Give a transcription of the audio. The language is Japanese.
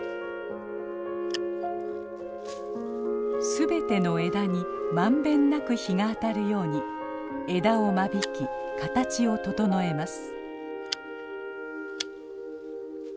すべての枝にまんべんなく日が当たるように枝を間引き形を整えます。